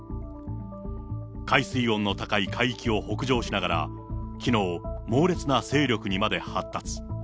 海水温の高い海域を北上しながら、きのう、猛烈な勢力にまで発達。